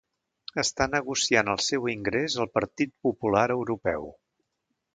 Està negociant el seu ingrés al Partit Popular Europeu.